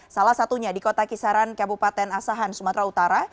salah satunya di kota kisaran kabupaten asahan sumatera utara